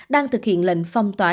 đang thực hiện lệnh phong tỏa